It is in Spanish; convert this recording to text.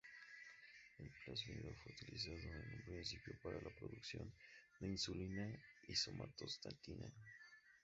El plásmido fue utilizado en un principio para la producción de insulina y somatostatina.